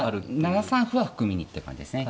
７三歩は含みにって感じですね。